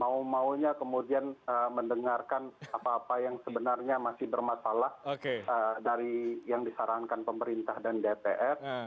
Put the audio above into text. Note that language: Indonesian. mau maunya kemudian mendengarkan apa apa yang sebenarnya masih bermasalah dari yang disarankan pemerintah dan dpr